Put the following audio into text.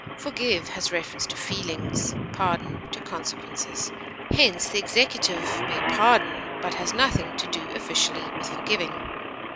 Forgive has reference to feelings, pardon to consequences; hence, the executive may pardon, but has nothing to do officially with forgiving.